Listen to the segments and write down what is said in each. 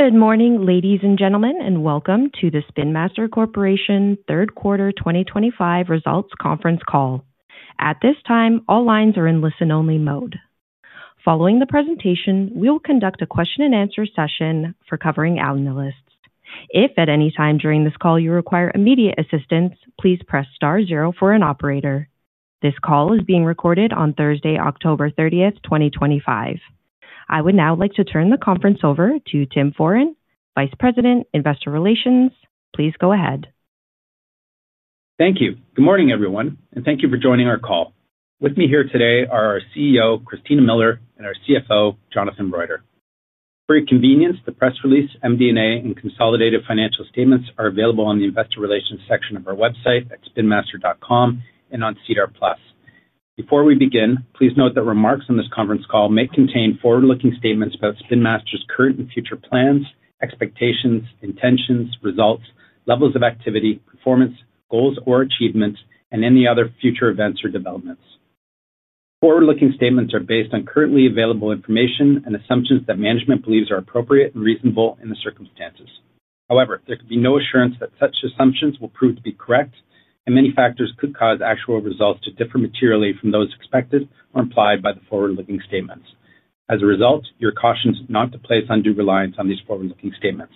Good morning ladies and gentlemen, and welcome to the Spin Master Corporation third quarter 2025 results conference call. At this time, all lines are in listen-only mode. Following the presentation, we will conduct a question and answer session for covering analysts. If at any time during this call you require immediate assistance, please press star zero for an operator. This call is being recorded on Thursday, October 30th, 2025. I would now like to turn the conference over to Tim Foran, Vice President, Investor Relations. Please go ahead. Thank you. Good morning everyone and thank you for joining our call. With me here today are our CEO, Christina Miller, and our CFO, Jonathan Reuter. For your convenience, the press release, MDA, and consolidated financial statements are available on the Investor Relations section of our website, spinmaster.com, and on SEDAR Plus. Before we begin, please note that remarks on this conference call may contain forward-looking statements about Spin Master's current and future plans, expectations, intentions, results, levels of activity, performance goals or achievements, and any other future events or developments. Forward-looking statements are based on currently available information and assumptions that management believes are appropriate and reasonable in the circumstances. However, there can be no assurance that such assumptions will prove to be correct, and many factors could cause actual results to differ materially from those expected or implied by the forward-looking statements. As a result, you're cautioned not to place undue reliance on these forward-looking statements.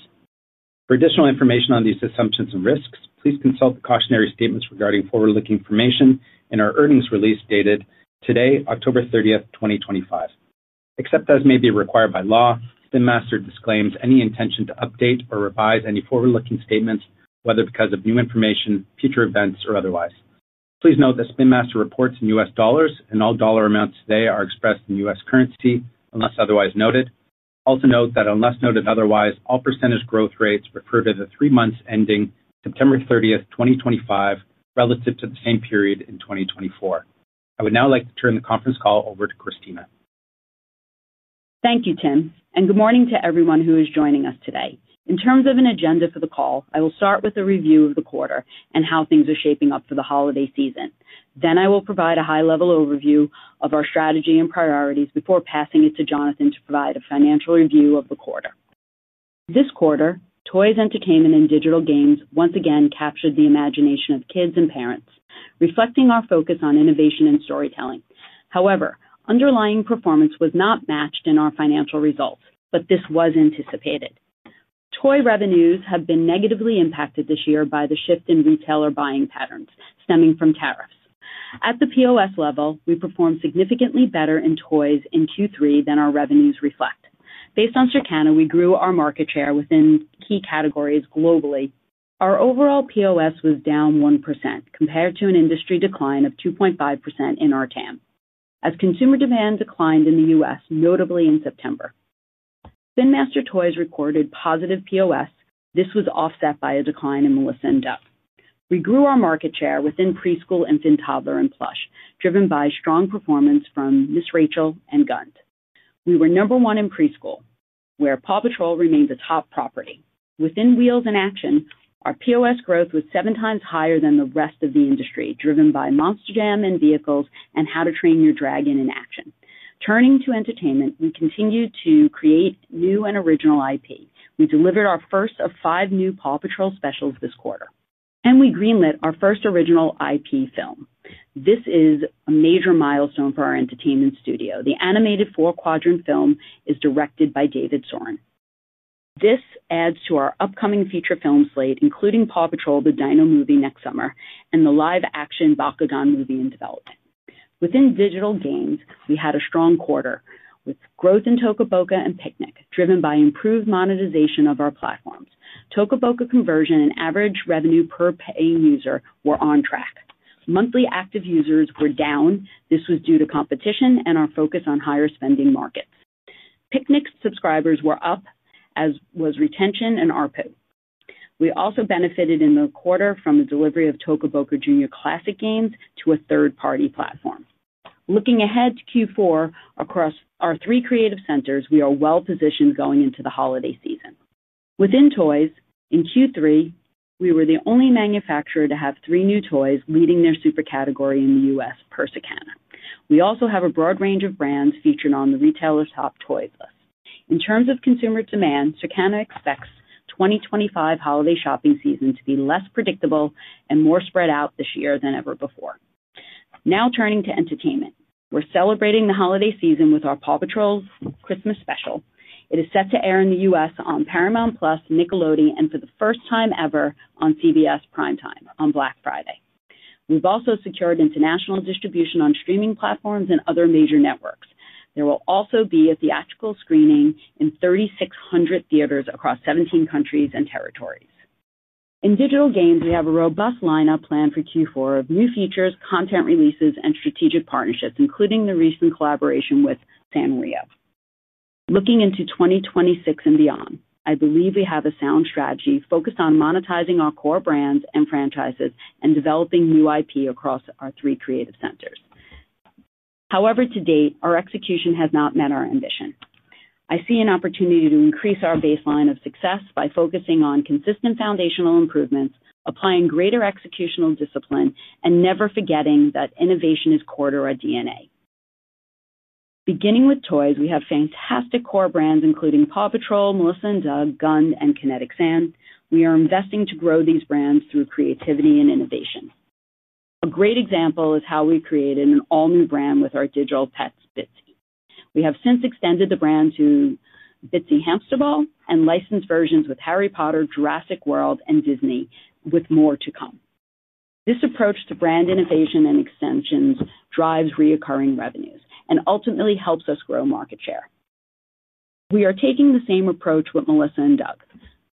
For additional information on these assumptions and risks, please consult the cautionary statements regarding forward-looking information in our earnings release dated today, October 30th, 2025. Except as may be required by law, Spin Master disclaims any intention to update or revise any forward-looking statements, whether because of new information, future events, or otherwise. Please note that Spin Master reports in U.S. Dollars and all dollar amounts today are expressed in U.S. currency unless otherwise noted. Also note that unless noted otherwise, all percentage growth rates refer to the three months ending September 30th, 2025, relative to the same period in 2024. I would now like to turn the conference call over to Christina. Thank you, Tim. Good morning to everyone who is joining us today. In terms of an agenda for the call, I will start with a review of the quarter and how things are shaping up for the holiday season. I will provide a high-level overview of our strategy and priorities before passing it to Jonathan to provide a financial review of the quarter. This quarter, toys, entertainment, and digital games once again captured the imagination of kids and parents, reflecting our focus on innovation and storytelling. However, underlying performance was not matched in our financial results, but this was anticipated. Toy revenues have been negatively impacted this year by the shift in retailer buying patterns stemming from tariffs at the POS level. We performed significantly better in toys in Q3 than our revenues reflect. Based on Circana, we grew our market share within key categories. Globally, our overall POS was down 1% compared to an industry decline of 2.5% in our TAM. As consumer demand declined in the U.S., notably in September, Spin Master Toys recorded positive POS. This was offset by a decline in Melissa & Doug. We grew our market share within Preschool, Infant, Toddler, and Plush, driven by performance from Ms. Rachel and GUND. We were number one in Preschool, where PAW Patrol remains a top property. Within Wheels in Action, our POS growth was seven times higher than the rest of the industry, driven by Monster Jam and Vehicles and How to Train Your Dragon in Action. Turning to Entertainment, we continue to create new and original IP. We delivered our first of five new PAW Patrol specials this quarter, and we greenlit our first original IP film. This is a major milestone for our entertainment studio. The animated four-quadrant film is directed by David Soren. This adds to our upcoming feature film slate, including PAW Patrol: Dino Movie next summer and the live-action Bakugan movie in development. Within Digital Games, we had a strong quarter with growth in Toca Boca and Picnic, driven by improved monetization of our platforms. Toca Boca conversion and average revenue per paying user were on track. Monthly active users were down. This was due to competition and our focus on higher spending markets. Picnic subscribers were up, as was retention and ARPPU. We also benefited in the quarter from the delivery of Toca Boca Junior classic games to a third-party platform. Looking ahead to Q4 across our three creative centers, we are well positioned going into the holiday season. Within toys in Q3, we were the only manufacturer to have three new toys leading their super category in the U.S. per Circana. We also have a broad range of brands featured on the Retailer Shop Toys list. In terms of consumer demand, Circana expects the 2025 holiday shopping season to be less predictable and more spread out this year than ever before. Now turning to entertainment, we're celebrating the holiday season with our PAW Patrol Christmas Special. It is set to air in the U.S. on Paramount Plus, Nickelodeon, and for the first time ever on CBS Primetime on Black Friday. We've also secured international distribution on streaming platforms and other major networks. There will also be a theatrical screening in 3,600 theaters across 17 countries and territories. In Digital Games, we have a robust lineup planned for Q4 of new features, content releases, and strategic partnerships including the recent collaboration with Sanrio. Looking into 2026 and beyond, I believe we have a sound strategy focused on monetizing our core brands and franchises and developing new IP across our three creative centers. However, to date our execution has not met our ambition. I see an opportunity to increase our baseline of success by focusing on consistent foundational improvements, applying greater executional discipline, and never forgetting that innovation is core to our DNA. Beginning with toys, we have fantastic core brands including PAW Patrol, Melissa & Doug, Gund, and Kinetic Sand. We are investing to grow these brands through creativity and innovation. A great example is how we created an all-new brand with our digital pets Bitsy. We have since extended the brand to Bitsy Hamsterball and licensed versions with Harry Potter, Jurassic World, and Disney with more to come. This approach to brand innovation and extensions drives recurring revenues and ultimately helps us grow market share. We are taking the same approach with Melissa & Doug,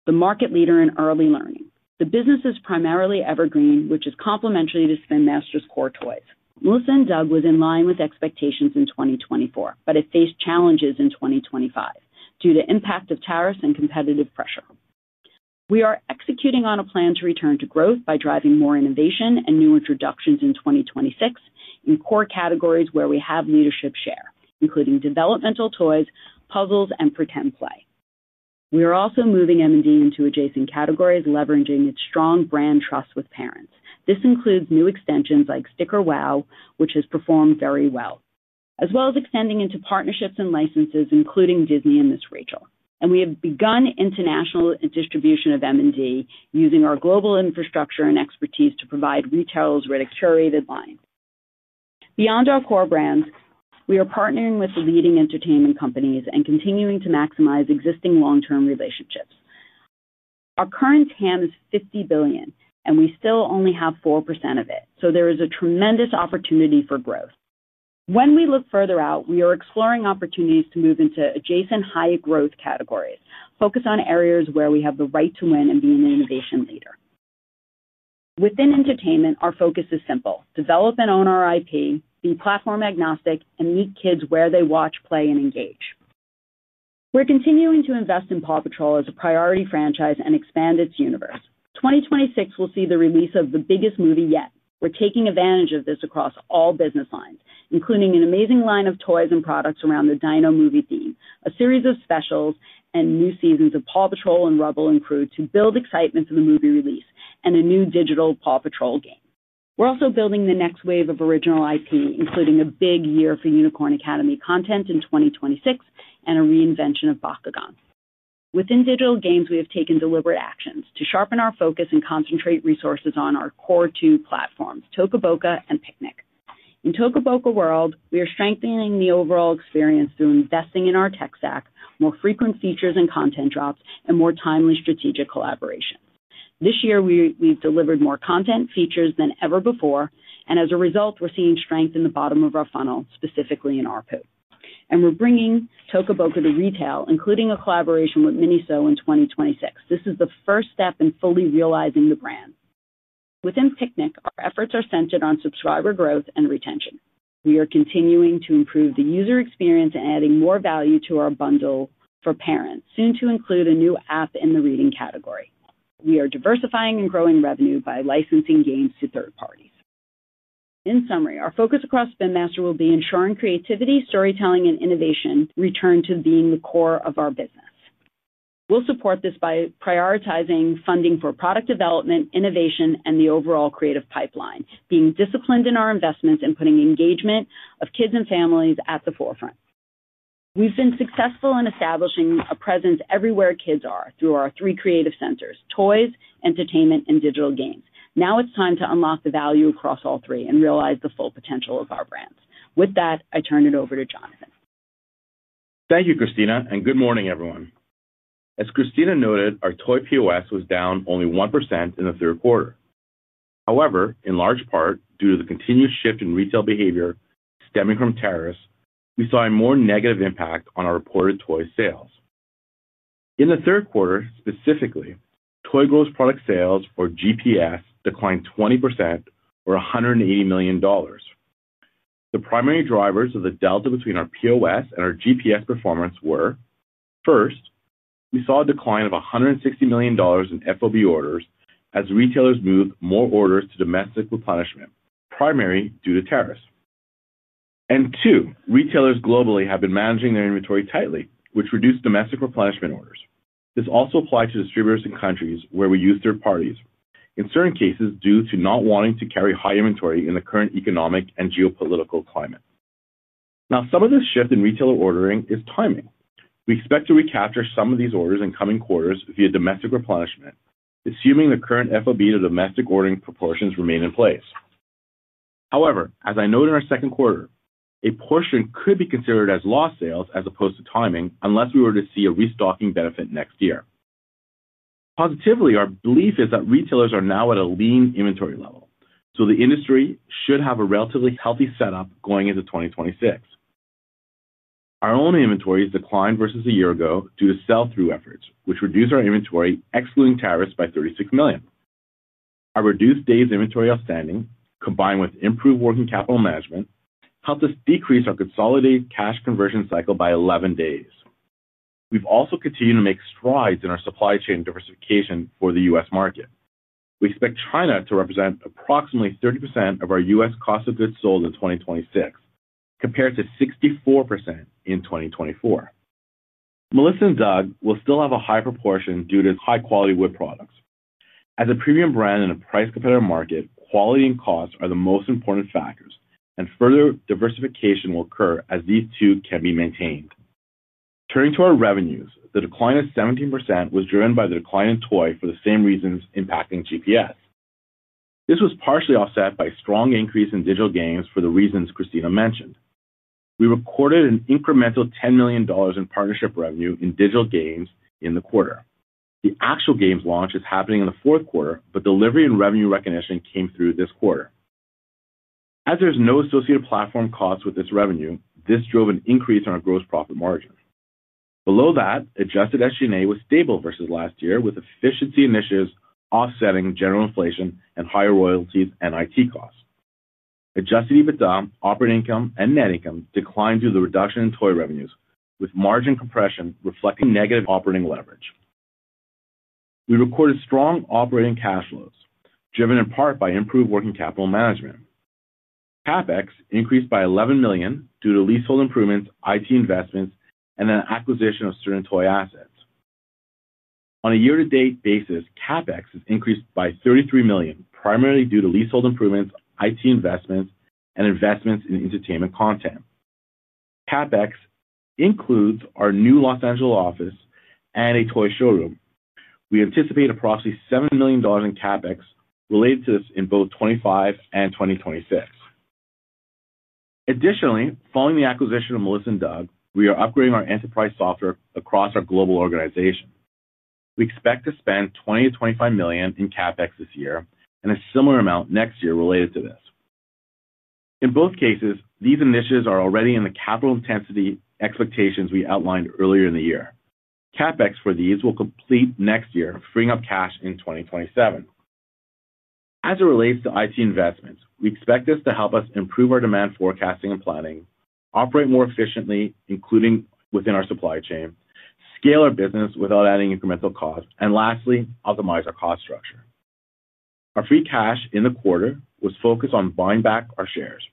the market leader in early learning. The business is primarily evergreen, which is complementary to Spin Master's core toys. Melissa & Doug was in line with expectations in 2024, but it faced challenges in 2025 due to the impact of tariffs and competitive pressure. We are executing on a plan to return to growth by driving more innovation and new introductions in 2026 in core categories where we have leadership share, including developmental toys, puzzles, and pretend play. We are also moving M&D into adjacent categories, leveraging its strong brand trust with parents. This includes new extensions like Sticker Wow, which has performed very well, as well as extending into partnerships and licenses including Disney and Ms. Rachel. We have begun international distribution of M&D, using our global infrastructure and expertise to provide retailers with a curated line. Beyond our core brands, we are partnering with the leading entertainment companies and continuing to maximize existing long-term relationships. Our current TAM is $50 billion, and we still only have 4% of it, so there is a tremendous opportunity for growth. When we look further out, we are exploring opportunities to move into adjacent high-growth categories, focus on areas where we have the right to win, and be an innovation leader. Within entertainment, our focus is simple: develop and own our IP, be platform agnostic, and meet kids where they watch, play, and engage. We're continuing to invest in PAW Patrol as a priority franchise and expand its universe. 2026 will see the release of the biggest movie yet. We're taking advantage of this across all business lines, including an amazing line of toys and products around the Dino Movie theme, a series of specials, and new seasons of PAW Patrol and Rubble & Crew to build excitement for the movie release and a new digital PAW Patrol game. We're also building the next wave of original IP, including a big year for Unicorn Academy content in 2026 and a reinvention of Bakugan within digital games. We have taken deliberate actions to sharpen our focus and concentrate resources on our core two platforms, Toca Boca and Piknik. In Toca Boca World, we are strengthening the overall experience through investing in our tech stack, more frequent features and content drops, and more timely strategic collaboration. This year we've delivered more content features than ever before, and as a result, we're seeing strength in the bottom of our funnel, specifically in ARPPU, and we're bringing Toca Boca to retail, including a collaboration with Miniso in 2026. This is the first step in fully realizing the brand within Piknik. Our efforts are centered on subscriber growth and retention. We are continuing to improve the user experience and adding more value to our bundle for parents, soon to include a new app in the Reading category. We are diversifying and growing revenue by licensing games to third parties. In summary, our focus across Spin Master will be ensuring creativity, storytelling, and innovation return to being the core of our business. We'll support this by prioritizing funding for product development, innovation, and the overall creative pipeline, being disciplined in our investments and putting engagement of kids and families at the forefront. We've been successful in establishing a presence everywhere kids are through our three creative centers: Toys, Entertainment, and Digital Games. Now it's time to unlock the value across all three and realize the full potential of our brands. With that, I turn it over to Jonathan. Thank you, Christina, and good morning, everyone. As Christina noted, our toy POS was down only 1% in the third quarter. However, in large part due to the continued shift in retail behavior stemming from tariffs, we saw a more negative impact on our reported toy sales in the third quarter. Specifically, toy gross product sales, or GPS, declined 20% or $180 million. The primary drivers of the delta between our POS and our GPS performance were, first, we saw a decline of $160 million in FOB orders as retailers moved more orders to domestic replenishment primarily due to tariffs, and, two, retailers globally have been managing their inventory tightly, which reduced domestic replenishment orders. This also applied to distributors in countries where we use third parties in certain cases due to not wanting to carry high inventory in the current economic and geopolitical climate. Now, some of this shift in retailer ordering is timing. We expect to recapture some of these orders in coming quarters via domestic replenishment, assuming the current FOB to domestic ordering proportions remain in place. However, as I noted in our second quarter, a portion could be considered as lost sales as opposed to timing unless we were to see a restocking benefit next year. Positively, our belief is that retailers are now at a lean inventory level, so the industry should have a relatively healthy setup going into 2026. Our own inventory has declined versus a year ago due to sell-through efforts, which reduced our inventory excluding tariffs by $36 million. Our reduced days inventory outstanding combined with improved working capital management helped us decrease our consolidated cash conversion cycle by 11 days. We've also continued to make strides in our supply chain diversification for the U.S. market. We expect China to represent approximately 30% of our U.S. cost of goods sold in 2026 compared to 64% in 2024. Melissa & Doug will still have a high proportion due to high quality wood products as a premium brand in a price competitive market. Quality and cost are the most important factors, and further diversification will occur as these two can be maintained. Turning to our revenues, the decline of 17% was driven by the decline in toy for the same reasons impacting GPS. This was partially offset by strong increase in digital games for the reasons Christina mentioned. We recorded an incremental $10 million in partnership revenue in digital games in the quarter. The actual games launch is happening in the fourth quarter, but delivery and revenue recognition came through this quarter as there's no associated platform cost with this revenue. This drove an increase in our gross profit margin. Below that, adjusted SG&A was stable versus last year with efficiency initiatives offsetting general inflation and higher royalties and IT costs. Adjusted EBITDA, operating income, and net income declined due to the reduction in toy revenues, with margin compression reflecting negative operating leverage. We recorded strong operating cash flows driven in part by improved working capital management. CapEx increased by $11 million due to leasehold improvements, IT investments, and an acquisition of student toy assets. On a year-to-date basis, CapEx has increased by $33 million, primarily due to leasehold improvements, IT investments, and investments in entertainment content. CapEx includes our new Los Angeles office and a toy showroom. We anticipate approximately $7 million in CapEx related to this in both 2025 and 2026. Additionally, following the acquisition of Melissa & Doug, we are upgrading our enterprise software across our global organization. We expect to spend $20 million-$25 million in CapEx this year and a similar amount next year related to this. In both cases, these initiatives are already in the capital intensity expectations we outlined earlier in the year. CapEx for these will complete next year, freeing up cash in 2027 as it relates to IT investments. We expect this to help us improve our demand forecasting and planning, operate more efficiently including within our supply chain, scale our business without adding incremental costs, and lastly optimize our cost structure. Our free cash in the quarter was focused on buying back our shares.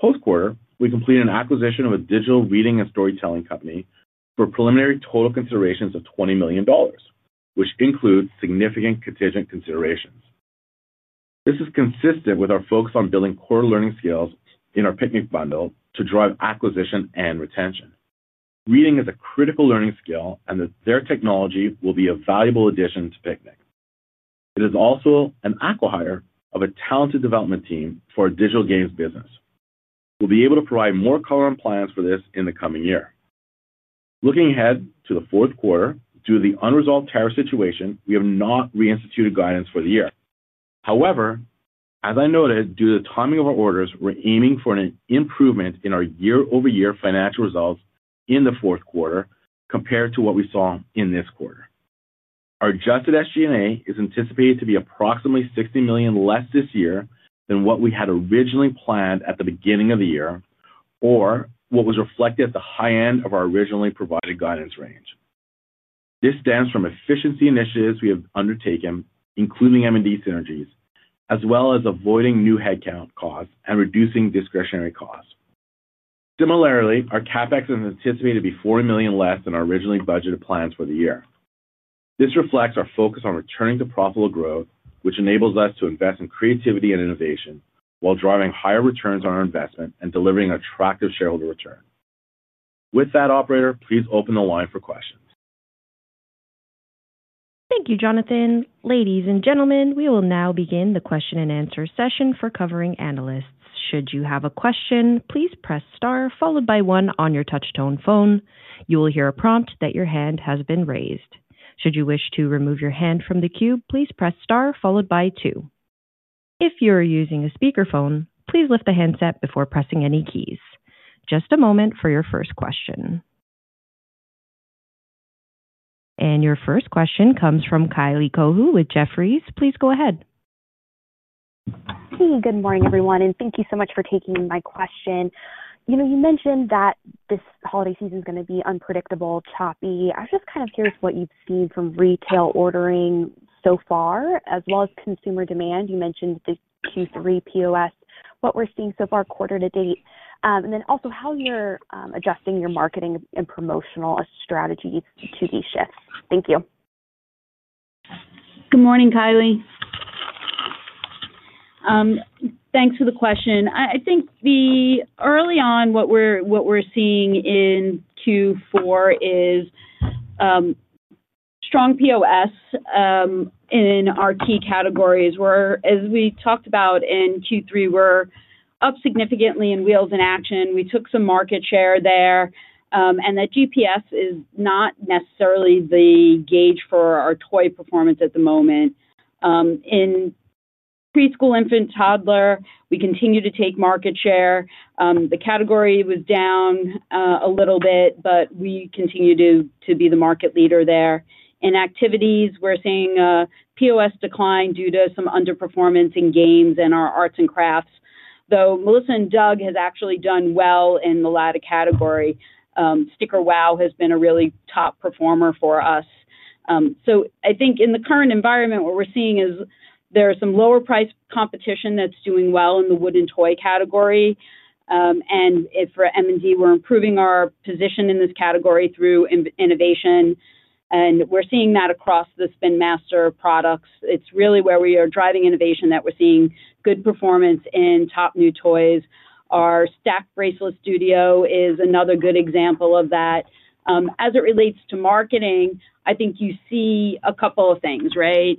Post quarter, we completed an acquisition of a digital reading and storytelling company for preliminary total considerations of $20 million, which includes significant contingent considerations. This is consistent with our focus on building core learning skills in our Picnic bundle to drive acquisition and retention. Reading is a critical learning skill and their technology will be a valuable addition to Piknik. It is also an acquihire of a talented development team for our digital games business. We'll be able to provide more color on plans for this in the coming year. Looking ahead to the fourth quarter, due to the unresolved tariff situation, we have not reinstituted guidance for the year. However, as I noted, due to the timing of our orders, we're aiming for an improvement in our year-over-year financial results in the fourth quarter compared to what we saw in this quarter. Our adjusted SG&A is anticipated to be approximately $60 million less this year than what we had originally planned at the beginning of the year or what was reflected at the high end of our originally provided guidance range. This stems from efficiency initiatives we have undertaken including M&D synergies, as well as avoiding new headcount costs and reducing discretionary costs. Similarly, our CapEx is anticipated to be $40 million less than our originally budgeted plans for the year. This reflects our focus on returning to profitable growth, which enables us to invest in creativity and innovation while driving higher returns on our investment and delivering attractive shareholder return. With that, operator, please open the line for questions. Thank you, Jonathan. Ladies and gentlemen, we will now begin the question-and-answer session for covering analysts. Should you have a question, please press star followed by one on your touch tone phone. You will hear a prompt that your hand has been raised. Should you wish to remove your hand from the queue, please press star followed by two. If you're using a speakerphone, please lift the handset before pressing any keys. Just a moment for your first question. Your first question comes from Kylie Cohu with Jefferies. Please go ahead. Hey, good morning everyone and thank you. Thank you for taking my question. You know, you mentioned that this holiday. Season is going to be unpredictable. I'm just kind of curious what you've. Seen from retail ordering so far as. As consumer demand. You mentioned this Q3 POS, what we're seeing so far quarter to date, and then also how you're adjusting your marketing and promotional strategies to these shifts. Thank you. Good morning, Kylie. Thanks for the question. I think early on what we're seeing in Q4 is strong POS in our key categories. As we talked about in Q3, we're up significantly in Wheels and Action. We took some market share there, and that POS is not necessarily the gauge for our toy performance at the moment. In Preschool Infant Toddler, we continue to take market share. The category was down a little bit, but we continue to be the market leader there. In Activities, we're seeing a POS decline due to some underperformance in Games and our Arts and Crafts, though Melissa & Doug has actually done well in the latter category. Sticker Wow has been a really top performer for us. I think in the current environment what we're seeing is there's some lower-priced competition that's doing well in the wooden toy category. For M&D, we're improving our position in this category through innovation, and we're seeing that across the Spin Master products. It's really where we are driving innovation that we're seeing good performance in top new toys. Our Stacked Bracelet Studio is another good example of that. As it relates to marketing, I think you see a couple of things right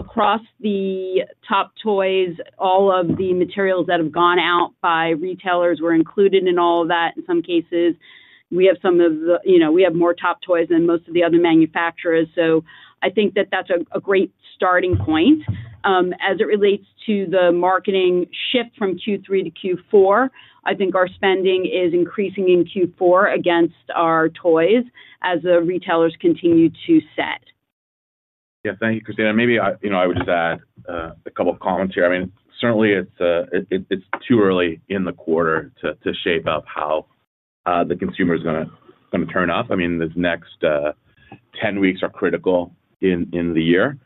across the top toys. All of the materials that have gone out by retailers were included in all of that. In some cases, we have more top toys than most of the other manufacturers. I think that that's a great starting point as it relates to the marketing shift from Q3 to Q4. I think our spending is increasing in Q4 against our toys as the retailers continue to set. Thank you, Christina. Maybe I would just add a couple of comments here. Certainly, it's too early in the quarter to shape up how the consumer is going to turn up. This next 10 weeks are critical in the year.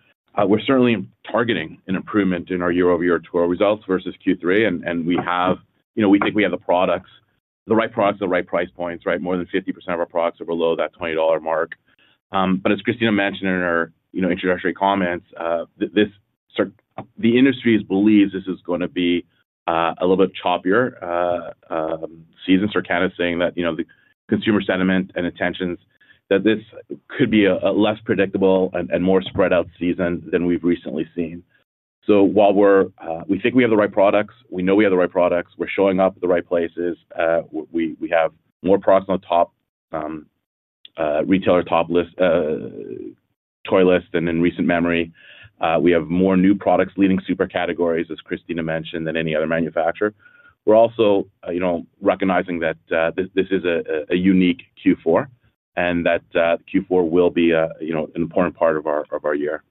We're certainly targeting an improvement in our year-over-year results versus Q3, and we have, you know, we think we have the products, the right products, the right price points. More than 50% of our products are below that $20 mark. As Christina mentioned in her introductory comments, the industry believes this is going to be a little bit choppier. Seasons are kind of saying that the consumer sentiment and intentions could be a less predictable and more spread out season than we've recently seen. While we think we have the right products, we know we have the right products, we're showing up at the right places. We have more products on the top retailer top list, toy list, than in recent memory. We have more new products leading super categories, as Christina mentioned, than any other manufacturer. We're also recognizing that this is a unique Q4 and that Q4 will be an important part of our year.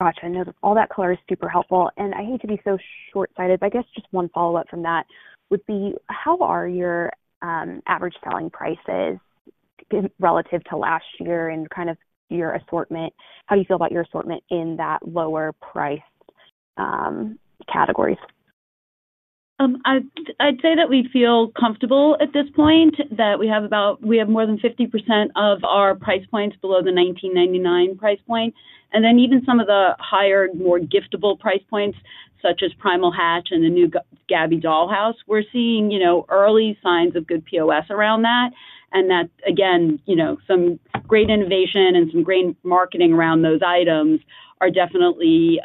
Gotcha. All that color is super helpful, and I hate to be so short sighted, but I guess just one follow-up from that would be how are your average selling prices relative to last year, and kind of your assortment? How do you feel about your assortment? In that lower price category? I'd say that we feel comfortable at this point that we have about, we have more than 50% of our price points below the $19.99 price point. Even some of the higher, more giftable price points, such as Primal Hatch and the new Gabby Dollhouse, we're seeing early signs of good POS around that. That again, some great innovation and some great marketing around those items definitely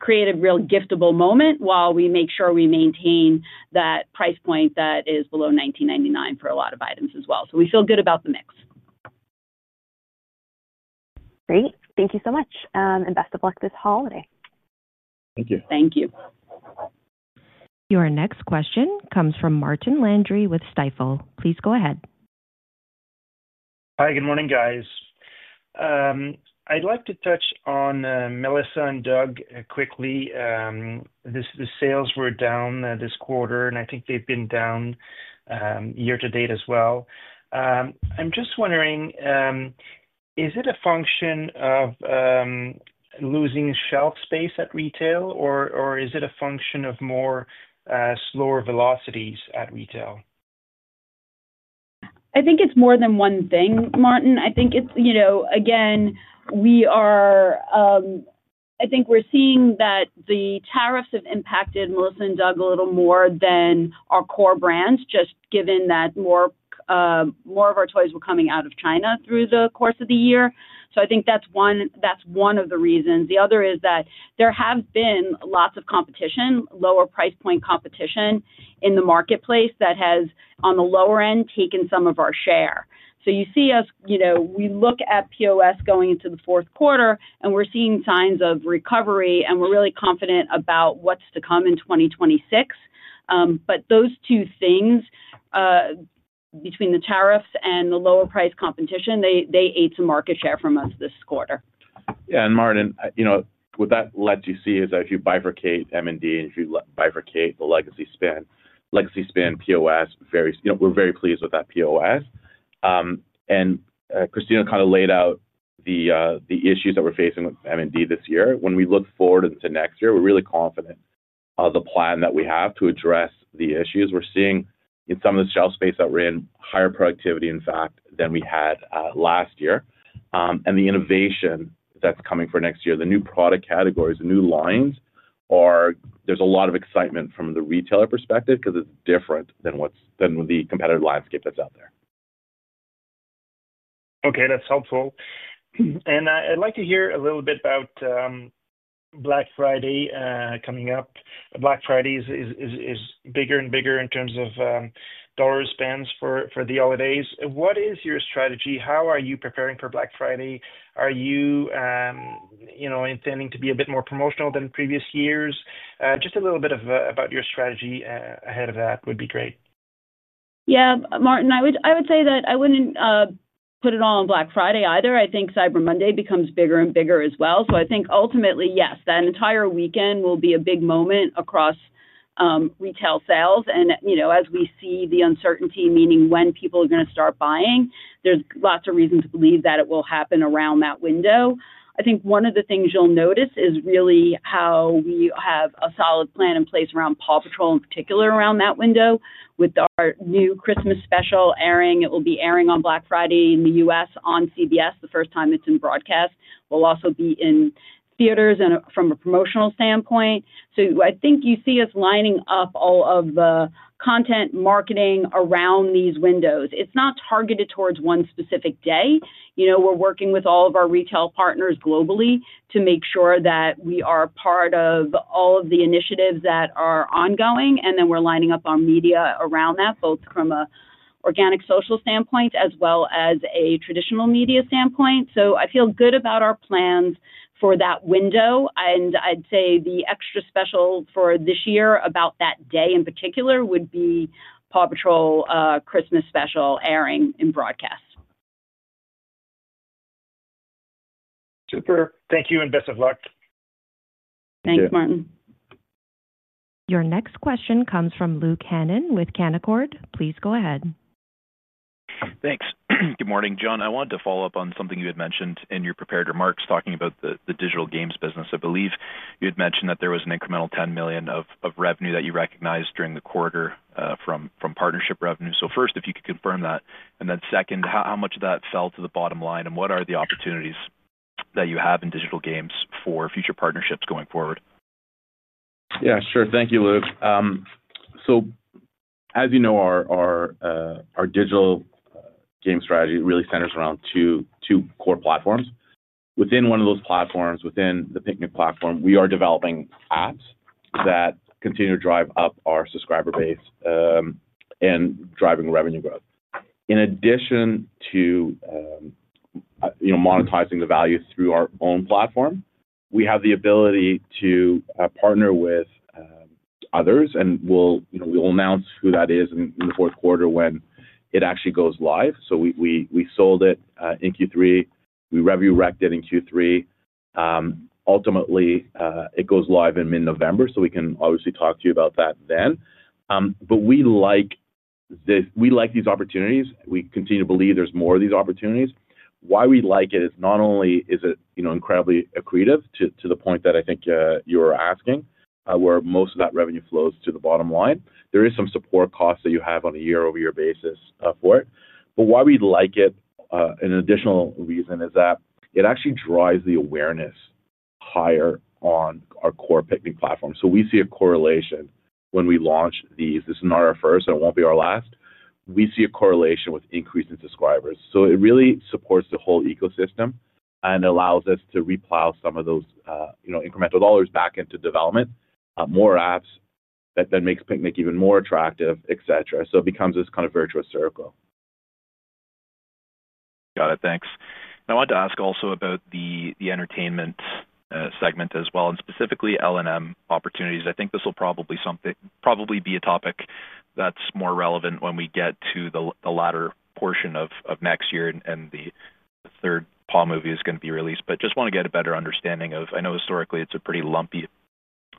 create a real giftable moment while we make sure we maintain that price point that is below $19.99 for a lot of items as well. We feel good about the mix. Great. Thank you so much, and best of luck this holiday. Thank you. Thank you. Your next question comes from Martin Landry with Stifel. Please go ahead. Hi. Good morning, guys. I'd like to touch on Melissa & Doug quickly. The sales were down this quarter. I think they've been down year to date as well. I'm just wondering, is it a function. of losing shelf space at retail, or is it a function of more slower velocities at retail? I think it's more than one thing, Martin. I think it's, you know, again, we are, I think we're seeing that the tariffs have impacted Melissa & Doug a little more than our core brands, just given that more of our toys were coming out of China through the course of the year. I think that's one of the reasons. The other is that there has been lots of competition, lower price point competition in the marketplace that has on the lower end taken some of our share. You see us, you know, we look at POS going into the fourth quarter and we're seeing signs of recovery and we're really confident about what's to come in 2026. Those two things, between the tariffs and the lower priced competition, ate some market share from us this quarter. Yeah. What that lets you see is that if you bifurcate M&D and if you bifurcate the legacy Spin. Legacy Spin POS, we're very pleased with that POS, and Christina kind of laid out the issues that we're facing with M&D this year. When we look forward into next year, we're really confident in the plan that we have to address the issues we're seeing in some of the shelf space that we're in. Higher productivity, in fact, than we had last year. The innovation that's coming for next year, the new product categories, the new lines, there's a lot of excitement from the retailer perspective because it's different than what's been the competitive landscape that's out there. Okay, that's helpful. I'd like to hear a little. Bit about Black Friday coming up. Black Friday is bigger and bigger in terms of dollar spends for the holidays. What is your strategy? How are you preparing for Black Friday? Are you intending to be a bit more promotional than previous years? Just a little bit about your strategy. Ahead of that would be great. Yeah, Martin, I would say that I wouldn't put it all on Black Friday either. I think Cyber Monday becomes bigger and bigger as well. I think ultimately, yes, that entire weekend will be a big moment across retail sales. As we see the uncertainty, meaning when people are going to start buying, there's lots of reason to believe that it will happen around that window. I think one of the things you'll notice is really how we have a solid plan in place around PAW Patrol in particular around that window with our new Christmas special airing. It will be airing on Black Friday in the U.S. on CBS, the first time it's in broadcast. We will also be in theaters and from a promotional standpoint. I think you see us lining up all of the content marketing around these windows. It's not targeted towards one specific day. We're working with all of our retail partners globally to make sure that we are part of all of the initiatives that are ongoing. We're lining up our media around that, both from an organic social standpoint as well as a traditional media standpoint. I feel good about our plans for that window. I'd say the extra special for this year about that day in particular would be the PAW Patrol Christmas Special airing in broadcast. Super. Thank you, and best of luck. Thanks, Martin. Your next question comes from Luke Hannan with Canaccord. Please go ahead. Thanks. Good morning, Jonathan. I wanted to follow up on something you had mentioned in your prepared remarks. Talking about the digital games business, I believe you had mentioned that there was an increase of $10 million of revenue that you recognized during the quarter from partnership revenue. If you could confirm that and then, how much of that fell to the bottom line and what are the opportunities that you have in digital games for future partnerships going forward? Yeah, sure. Thank you, Luke. As you know, our digital game strategy really centers around two core platforms. Within one of those platforms, within the Piknik platform, we are developing apps that continue to drive up our subscriber base and driving revenue growth. In addition to monetizing the value through our own platform, we have the ability to partner with others and we'll announce who that is in the fourth quarter when it actually goes live. We sold it in Q3, we revenue recognized it in Q3. Ultimately, it goes live in mid November. We can obviously talk to you about that then. We like these opportunities. We continue to believe there's more of these opportunities. Why we like it is not only is it incredibly accretive to the point that I think you're asking where most of that revenue flows to the bottom line, there is some support costs that you have on a year over year basis for it. Another reason we like it is that it actually drives the awareness higher on our core Piknik platform. We see a correlation when we launch these. This is not our first and it won't be our last. We see a correlation with increasing subscribers. It really supports the whole ecosystem and allows us to reply some of those incremental dollars back into development of more apps that then makes Piknik even more attractive, et cetera. It becomes this kind of virtuous circle. Got it. Thanks. I wanted to ask also about the entertainment segment as well, and specifically L and M opportunities. I think this will probably be a topic that's more relevant when we get to the latter portion of next year and the third PAW movie is going to be released. I just want to get a better understanding of. I know historically it's a pretty lumpy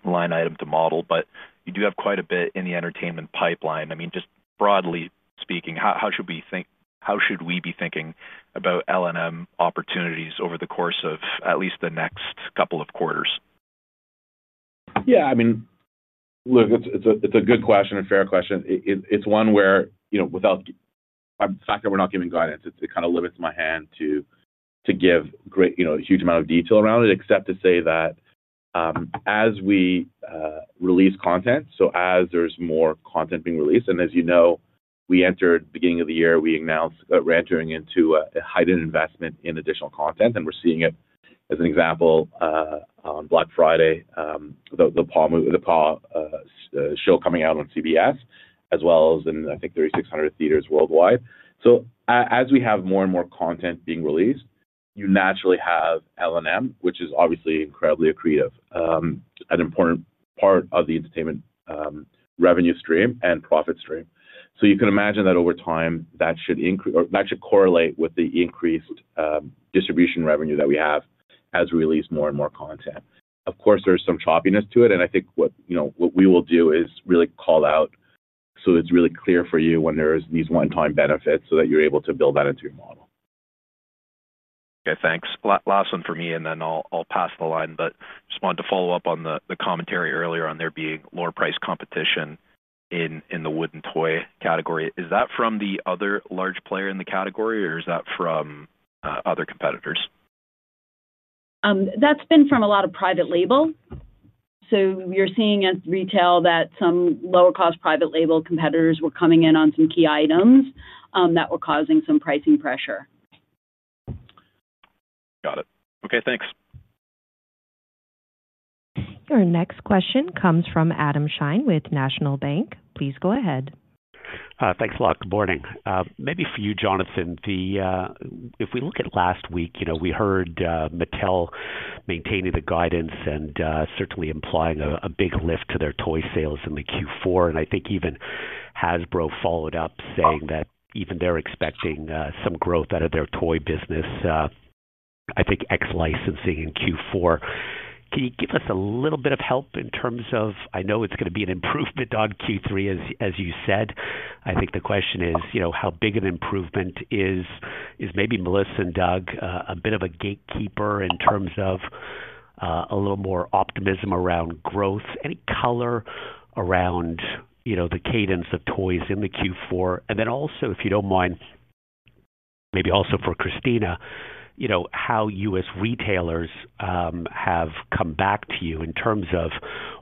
line item to model, but you do have quite a bit in the entertainment pipeline. I mean, just broadly speaking, how should we think, how should we be thinking about L and M opportunities over the course of at least the next couple of quarters? Yeah, I mean, look, it's a good question, a fair question. It's one where, without the fact that we're not giving guidance, it kind of limits my hand to give a huge amount of detail around it, except to say that as we release content, as there's more content being released. As you know, we entered beginning of the year, we announced re-entering into a heightened investment in additional content, and we're seeing it as an example on Black Friday, the PAW show coming out on CBS as well as in, I think, 3,600 theaters worldwide. As we have more and more content being released, you naturally have L and M, which is obviously incredibly accretive, an important part of the entertainment revenue stream and profit stream. You can imagine that over time that should increase or that should correlate with the increased distribution revenue that we have as we release more and more content. Of course, there's some choppiness to it, and what we will do is really call out so it's really clear for you when there are these one-time benefits so that you're able to build that into your model. Okay, thanks. Last one for me and then I'll pass the line. I just wanted to follow up on the commentary earlier on there being lower price competition in the wooden toy category. Is that from the other large player in the category, or is that from other competitors? That's been from a lot of private label. You're seeing at retail that some lower cost private label competitors were coming in on some key items that were causing some pricing pressure. Got it. Okay, thanks. Your next question comes from Adam Shine with National Bank. Please go ahead. Thanks a lot. Good morning. Maybe for you, Jonathan, if we look at last week, we heard Mattel maintaining the guidance and certainly implying a big lift to their toy sales in Q4. I think even Hasbro followed up saying that even they're expecting some growth out of their toy business. I think ex licensing in Q4. Can you give us a little bit of help in terms of I know it's going to be an improvement on Q3 as you said. I think the question is how big an improvement is maybe Melissa & Doug a bit of a gatekeeper in terms of a little more optimism around growth, any color around the cadence of toys in Q4. Also, if you don't mind, maybe also for Christina, how U.S. retailers have come back to you in terms of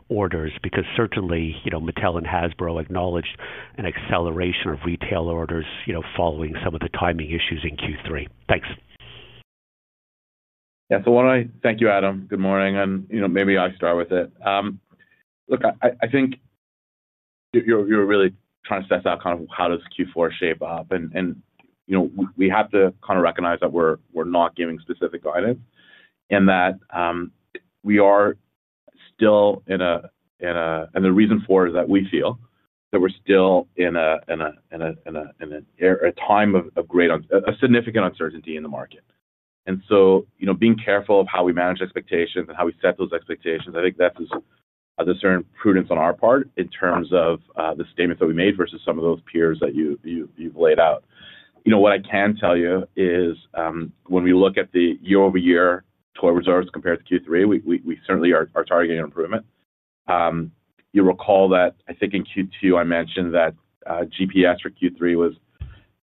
orders because certainly Mattel and Hasbro acknowledged an acceleration of retail orders following some of the timing issues in Q3. Thanks. Thank you, Adam. Good morning. Maybe I start with it. Look, I think you're really trying to set out kind of how does Q4 shape up. You know, we have to kind of recognize that we're not giving specific guidance and that we are still in a time of great, significant uncertainty in the market. You know, being careful of how we manage expectations and how we set those expectations, I think that's just prudence on our part in terms of the statements that we made versus some of those peers that you've laid out. What I can tell you is when we look at the year-over-year total reserves compared to Q3, we certainly are targeting improvement. You recall that I think in Q2 I mentioned that GPS for Q3 was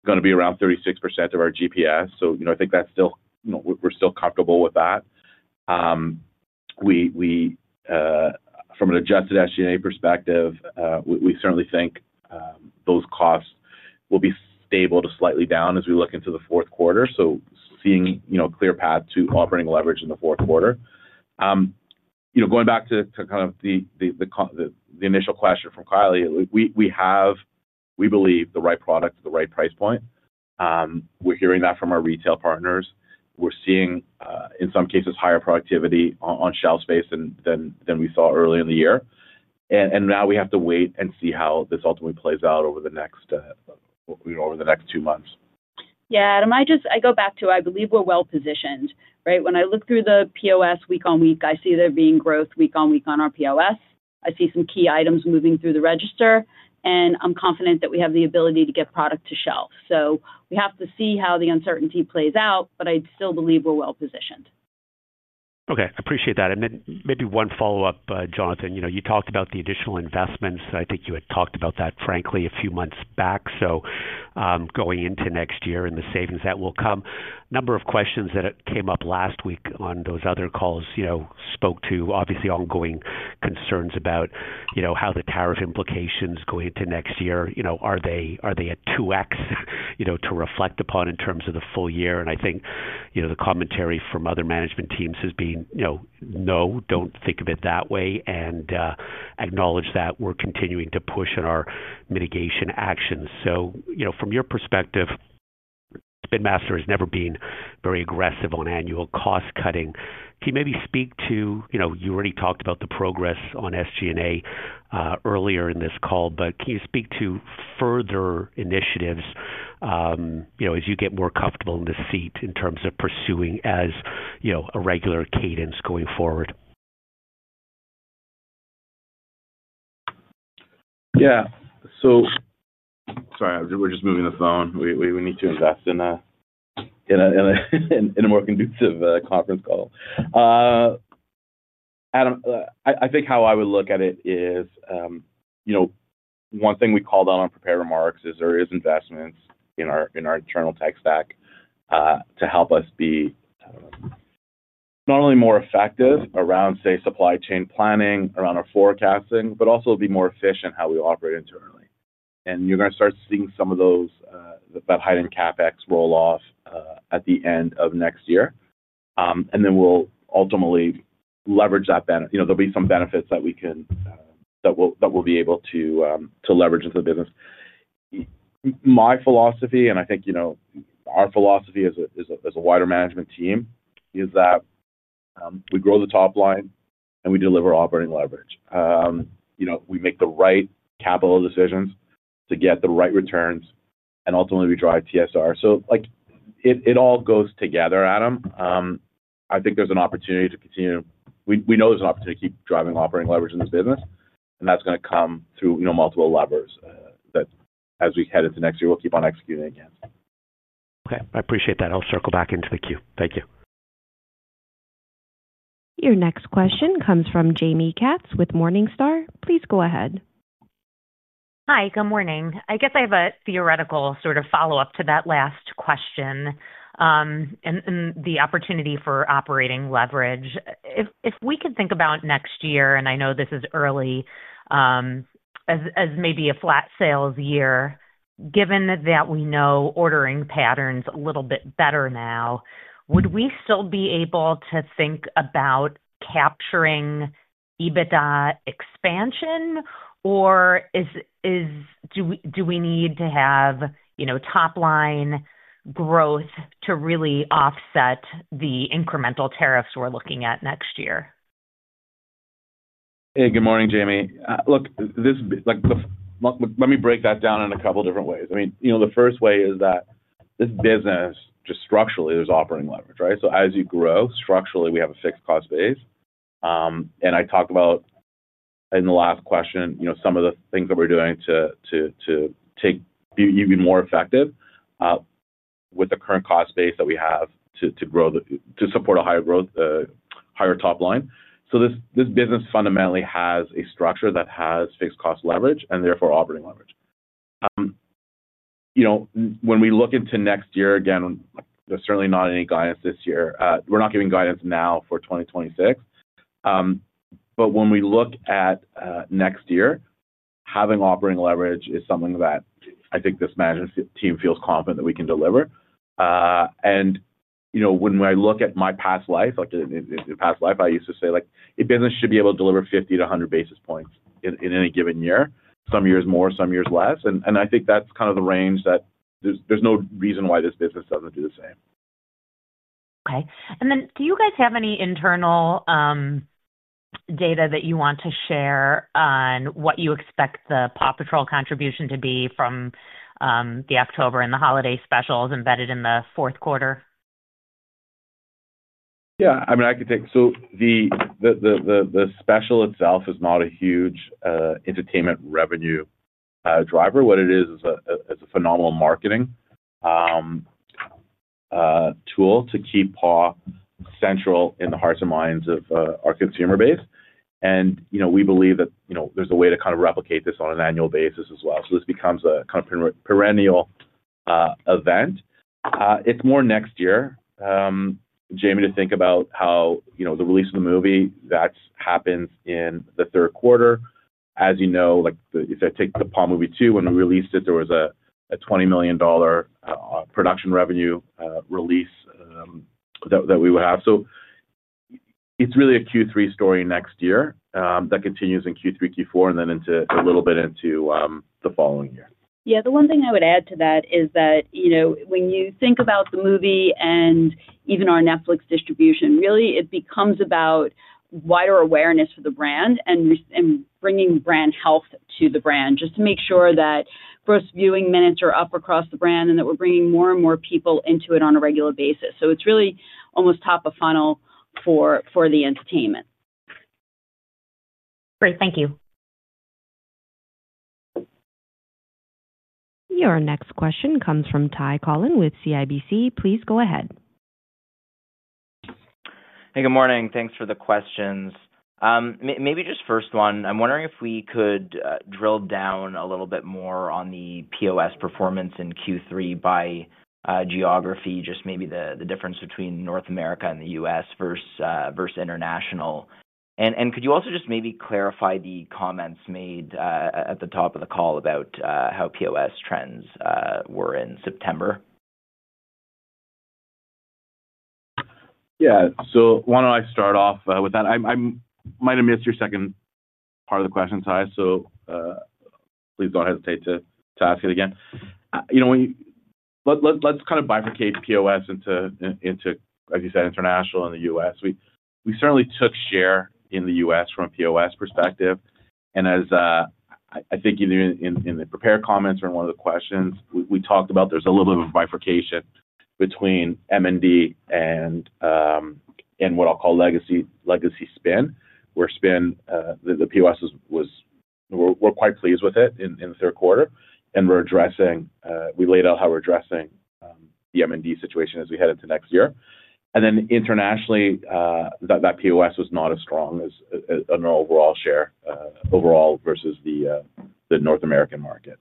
going to be around 36% of our GPS. I think that's still, we're still comfortable with that. From an adjusted SGA perspective, we certainly think those costs will be stable to slightly down as we look into the fourth quarter. Seeing a clear path to operating leverage in the fourth quarter, going back to kind of the initial question from Kylie, we believe we have the right product at the right price point. We're hearing that from our retail partners. We're seeing in some cases higher productivity on shelf space than we saw earlier in the year. Now we have to wait and see how this ultimately plays out over the next two months. Yeah, Adam, I go back to I believe we're well positioned. Right. When I look through the POS week on week, I see there being growth week on week on our POS. I see some key items moving through the register, and I'm confident that we have the ability to get product to shelf. We have to see how the uncertainty plays out, but I still believe we're well positioned. Okay, I appreciate that. Maybe one follow up. Jonathan, you know, you talked about the additional investments. I think you had talked about that frankly a few months back. Going into next year and the savings that will come. A number of questions that came up last week on those other calls spoke to obviously ongoing concerns about how the tariff implications go into next year. Are they a 2x to reflect upon in terms of the full year? I think the commentary from other management teams has been, no, don't think of it that way and acknowledge that we're continuing to push on our mitigation actions. From your perspective, Spin Master has never been very aggressive on annual cost cutting. Can you maybe speak to, you already talked about the progress on SG&A earlier in this call, but can you speak to further initiatives as you get more comfortable in this seat in terms of pursuing as a regular cadence going forward. Sorry, we're just moving the phone. We need to invest in a more conducive conference call. Adam, I think how I would look at it is, one thing we called out on prepared remarks is there are investments in our internal tech stack to help us be not only more effective around, say, supply chain planning, around our forecasting, but also be more efficient in how we operate internally. You're going to start seeing some of that heightened CapEx roll off at the end of next year, and then we'll ultimately leverage that benefit. There will be some benefits that we'll be able to leverage into the business. My philosophy, and I think our philosophy as a wider management team, is that we grow the top line and we deliver operating leverage. We make the right capital decisions to get the right returns and ultimately we drive TSR. It all goes together, Adam. I think there's an opportunity to continue. We know there's an opportunity to keep driving operating leverage in the business. That's going to come through multiple levers that, as we head into next year, we'll keep on executing again. Okay, I appreciate that. I'll circle back into the queue. Thank you. Your next question comes from Jamie Katz with Morningstar. Please go ahead. Hi, good morning. I guess I have a theoretical sort of follow up to that last question and the opportunity for operating leverage. If we could think about next year, and I know this is early. As. Maybe a flat sales year, given that we know ordering patterns a little bit better now, would we still be able to think about capturing EBITDA expansion, or do we need to have top line growth to really offset the incremental tariffs we're looking at next year? Hey, good morning, Jamie. Let me break that down in a couple different ways. The first way is that this business just structurally has operating leverage, right? As you grow structurally, we have a fixed cost base. I talked about in the last question some of the things that we're doing to take even more effective with the current cost base that we have to grow to support a higher growth, higher top line. This business fundamentally has a structure that has fixed cost leverage and therefore operating leverage. When we look into next year again, there's certainly not any guidance this year. We're not giving guidance now for 2026. When we look at next year, having operating leverage is something that I think this management team feels confident that we can deliver. When I look at my past life, I used to say a business should be able to deliver 50-100 basis points in any given year. Some years more, some years less. I think that's kind of the range, that there's no reason why this business doesn't do the same. Okay, do you guys have any internal data that you want to share on what you expect the PAW Patrol contribution to be from the October and the holiday specials embedded in the fourth quarter? Yeah, I mean, I could take. The special itself is not a huge entertainment revenue driver. What it is, it's a phenomenal marketing tool to keep PAW central in the hearts and minds of our consumer base. You know, we believe that, you know, there's a way to kind of replicate this on an annual basis as well. This becomes a perennial event. It's more next year, Jamie, to think about how, you know, the release of the movie that happens in the third quarter, as, you know, like, if I take the PAW movie 2, when we released it, there was a $20 million production revenue release that we would have. It's really a Q3 story next year that continues in Q3, Q4, and then into a little bit into. Yeah. The one thing I would add to that is that, you know, when you think about the movie and even our Netflix distribution, it really becomes about wider awareness for the brand and bringing brand health to the brand, just to make sure that gross viewing minutes are up across the brand and that we're bringing more and more people into it on a regular basis. It is really almost top of funnel for the entertainment. Great, thank you. Your next question comes from Ty Collin with CIBC. Please go ahead. Hey, good morning. Thanks for the questions. Maybe just first one, I'm wondering if we could drill down a little bit more on the POS performance in Q3 by geography, just maybe the difference between North America and the U.S. versus international. Could you also just maybe clarify the comments made at the top of the call about how POS trends were in September? Yeah, why don't I start off with that? I might have missed your second part of the question, Ty, so please don't hesitate to ask it again. Let's kind of bifurcate POS into, as you said, international and the U.S. We certainly took share in the U.S. from a POS perspective, and as I think, either in the prepared comments or in one of the questions we talked about, there's a little bit of bifurcation between M&D and what I'll call legacy Spin, where Spin the POS was. We're quite pleased with it in the third quarter, and we laid out how we're addressing the M&D situation as we head into next year. Internationally, that POS was not as strong as an overall share overall versus the North American market.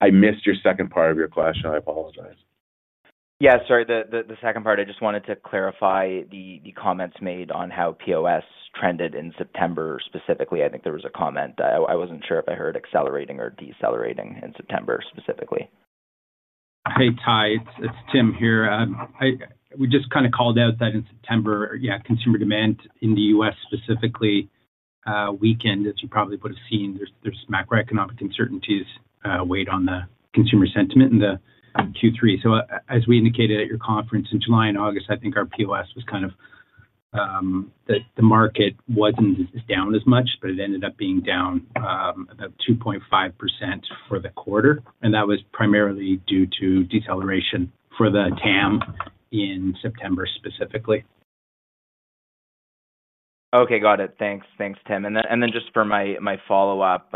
I missed your second part of your question. I apologize. Sorry, the second part. I just wanted to clarify the comments made on how POS trended in September specifically. I think there was a comment. I wasn't sure if I heard accelerating or decelerating in September specifically. Hey Ty, it's Tim here. We just called out that in September, consumer demand in the U.S. specifically weakened. As you probably would have seen, macroeconomic uncertainties weighed on the consumer sentiment in Q3. As we indicated at your conference in July and August, I think our POS was kind of the market wasn't down as much, but it ended up being down about 2.5% for the quarter. That was primarily due to deceleration for the TAM in September specifically. Okay, got it, thanks. Thanks, Tim. Just for my follow up,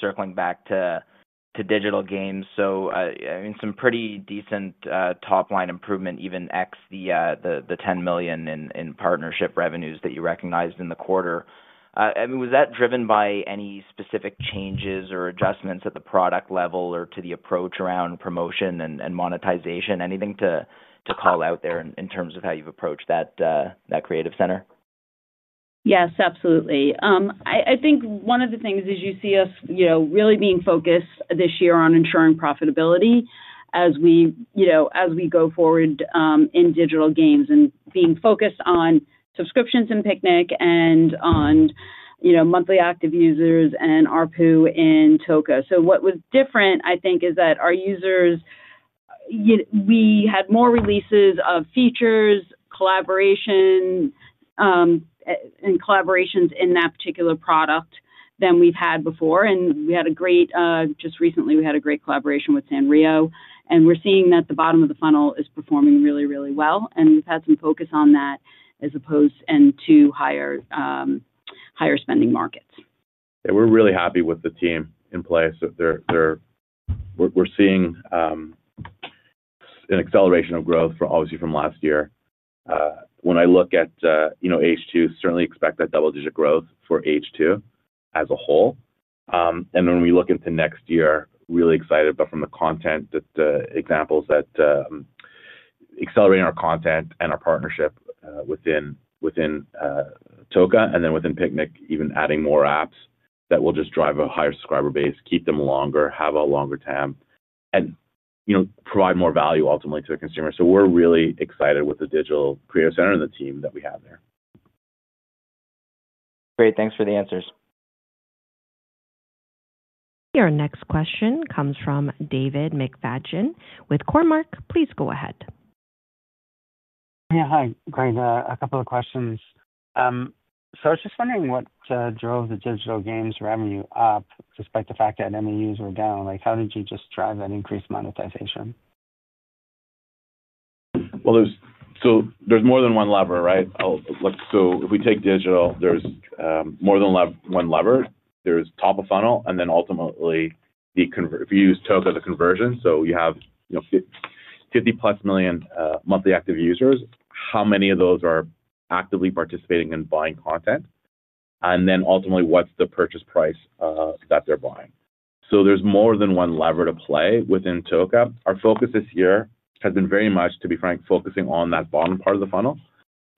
circling back to digital games. Some pretty decent top line improvement, even excluding the $10 million in partnership revenues that you recognized in the quarter. Was that driven by any specific changes or adjustments at the product level or to the approach around promotion and monetization? Anything to call out there in terms of how you've approached that creative center? Yes, absolutely. I think one of the things is you see us really being focused this year on ensuring profitability as we go forward in digital games and being focused on subscriptions and Piknik and on monthly active users and ARPPU in Toca. What was different I think is that our users, we had more releases of features, collaboration and collaborations in that particular product than we've had before, and just recently we had a great collaboration with Sanrio. We're seeing that the bottom of the funnel is performing really, really well, and we've had some focus on that as opposed to higher spending markets. We're really happy with the team place. We're seeing an acceleration of growth obviously from last year. When I look at H2, certainly expect that double digit growth for H2 as a whole, and when we look into next year, really excited. From the content, the examples that accelerating our content and our partnership within Toca and then within Piknik, even adding more apps that will just drive a higher subscriber base, keep them longer, have a longer TAM, and provide more value ultimately to the consumer. We're really excited with the Digital Creative Center and the team that we have there. Great, thanks for the answers. Your next question comes from David McFadgen with Cormark. Please go ahead. Yeah, hi, great. A couple of questions. I was just wondering what drove the digital games revenue up despite the fact that MAUs were down. How did you drive that increased monetization? There is more than one lever, right? If we take digital, there is more than one lever. There is top of funnel, and then ultimately if you use Toca, the conversion. You have 50+ million monthly active users. How many of those are actively participating in buying content, and then ultimately what's the purchase price that they're buying? There is more than one lever to play within Toca. Our focus this year has been very much, to be frank, focusing on that bottom part of the funnel.